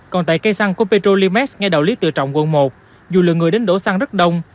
còn tại cây xăng của petrolimax ngay đầu lý tự trọng quận một dù lượng người đến đổ xăng rất đông